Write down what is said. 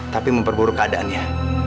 tapi memperburuk keadaannya